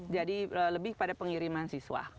jadi lebih pada pengiriman siswa